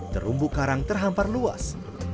terumbu karang terhampar luas